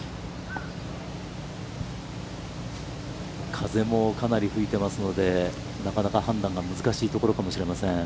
風もかなり吹いてますので、なかなか判断が難しいところかもしれません。